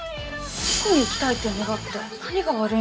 遠くに行きたいって願って何が悪いんだろうね。